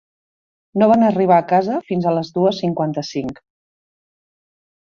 No van arribar a casa fins a les dues cinquanta-cinc.